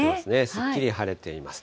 すっきり晴れています。